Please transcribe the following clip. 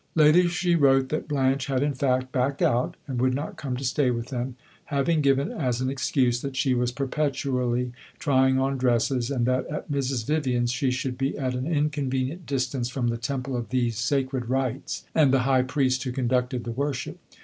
Later she wrote that Blanche had in fact "backed out," and would not come to stay with them, having given as an excuse that she was perpetually trying on dresses, and that at Mrs. Vivian's she should be at an inconvenient distance from the temple of these sacred rites, and the high priest who conducted the worship.